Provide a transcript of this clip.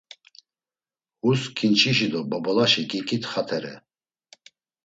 Hus ǩinçişi do bobolaşi giǩitxatere.